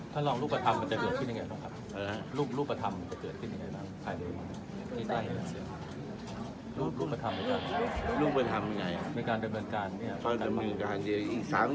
ท่านลองรูปภัณฑ์แล้วจะเกิดพยายามไหนครับ